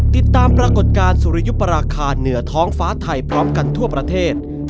ติดตามปรากฏการณ์สุริยุปราคาเหนือท้องฟ้าไทยพร้อมกันทั่วประเทศ